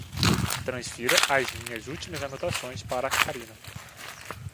Transfira as minhas últimas anotações para Karina